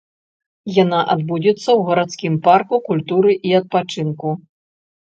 Яна адбудзецца ў гарадскім парку культуры і адпачынку.